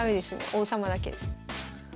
王様だけです。